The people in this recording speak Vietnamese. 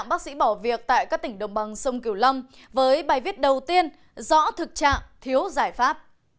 bài viết đầu tiên rõ thực trạng thiếu giải pháp